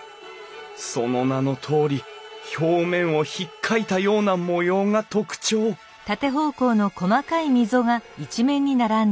その名のとおり表面をひっかいたような模様が特徴実に美しい！